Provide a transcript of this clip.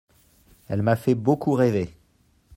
Elle m'a fait beaucoup rêver.